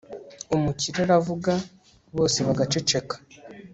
umukire aravuga, bose bagaceceka